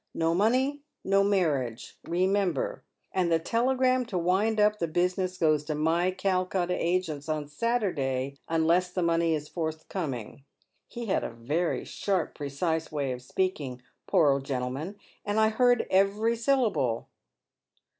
No monev, no marriage, remember ; and the telegram to u ind up the busi ness goes to my Calcutta agents on Saturday unless the money is forthcoming.' He had a very sharp, precise way of speaking, poor old gentleman, and I heard every syllable."